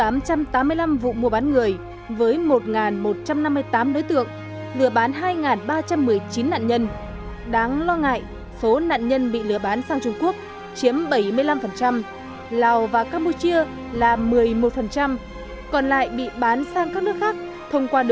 mới điện sang